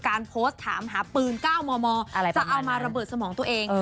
การโพสต์ถามหาปืน๙มมจะเอามาระเบิดสมองตัวเอง